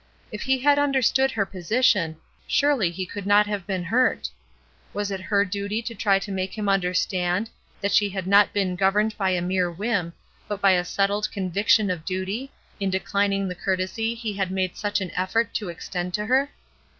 If he had understood her position, surely he could not have been hurt. Was it her duty to try to make him understand that she had not been governed by a mere whim, but by a settled conviction of duty, in declining the courtesy he had made such an effort to extend to her?